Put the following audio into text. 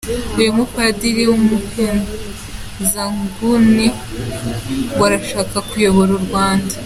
Uyu mupadiri w’umuhezanguni ngo arashaka kuyobora u Rwanda ?